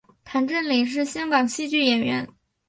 谭芷翎是香港戏剧演员。